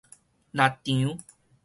獵場